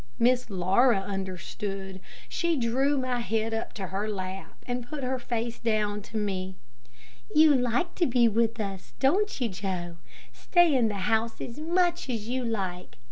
Miss Laura understood. She drew my head up to her lap, and put her face down to me: "You like to be with us, don't you, Joe? Stay in the house as much as you like.